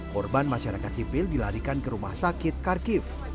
korban masyarakat sipil dilarikan ke rumah sakit kharkiv